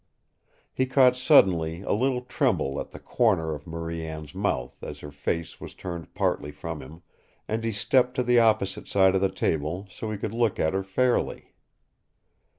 He caught suddenly a little tremble at the corner of Marie Anne's mouth as her face was turned partly from him, and he stepped to the opposite side of the table so he could look at her fairly.